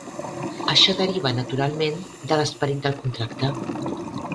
Això deriva naturalment de l'esperit del contracte.